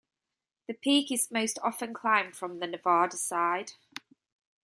This peak is most often climbed from the Nevada side.